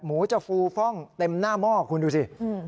หมูจะฟูฟ่องเต็มหน้าหม้อคุณดูสิ